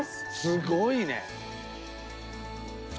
すごいね！